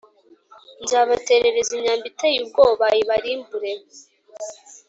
Nzabaterereza imyambi iteye ubwoba ibarimbure